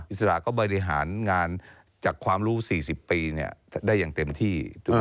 อิสระก็บริหารงานจากความรู้๔๐ปีได้อย่างเต็มที่